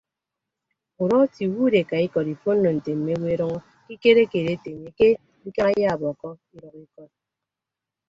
Udọ etiiwuud eka ikọd ifonno nte mme owo edʌñọ ekikere keed ete enye ke ikañ ayaabọkkọ idʌk ikọd.